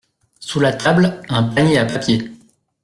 Sous la table, un panier à papier.